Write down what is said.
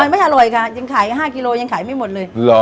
อันนี้ไม่อร่อยค่ะยังขาย๕กิโลยิวที่งานไม่หมดเลย